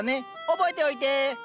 覚えておいて。